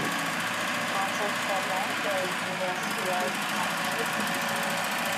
Martin Friedland, The University of Toronto: A History.